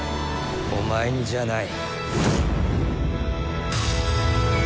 お前にじゃない。